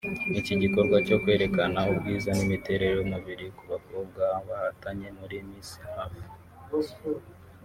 Iki gikorwa cyo kwerekana ubwiza n’imiterere y’umubiri ku bakobwa bahatanye muri Miss Earth